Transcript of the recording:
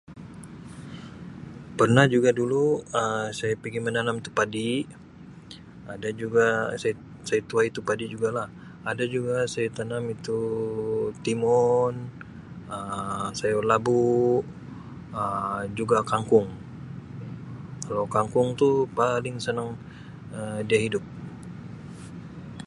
Pernah juga dulu ah saya pigi menanam itu padi ada juga sa saya tuai itu padi juga lah ada juga saya tanam itu timun ah sayur labu ah juga kangkung kalau kangkung tu paling senang err dia hidup